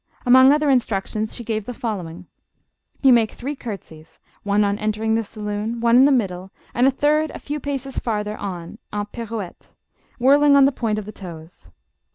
Among other instructions she gave the following. " You make three courtesies ; one on entering the saloon, one in the middle, and a third a few paces far ther on, en pirouette" (whirling on the point of the toes.)